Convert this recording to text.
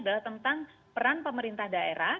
adalah tentang peran pemerintah daerah